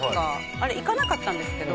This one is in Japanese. あれ行かなかったんですけど